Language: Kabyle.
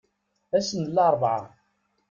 Ass n larebɛa.